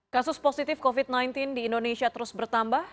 kasus positif covid sembilan belas di indonesia terus bertambah